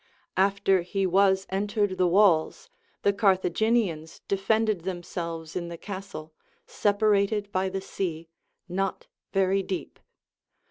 After he was entered the walls, the Carthaginians defended themselves in the castle, separated by the sea, not very deep.